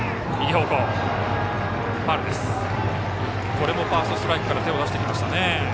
これもファーストストライクから手を出してきましたね。